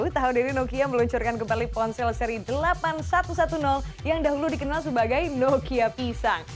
tahun ini nokia meluncurkan kembali ponsel seri delapan ribu satu ratus sepuluh yang dahulu dikenal sebagai nokia pisang